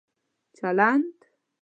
چلند